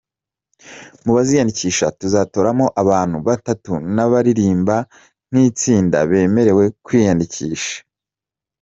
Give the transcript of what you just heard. Mu baziyandikisha tuzatoramo abantu batatu n’abaririmba nk’itsinda bemerewe kwiyandikisha.